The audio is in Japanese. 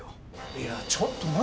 いやちょっと待て。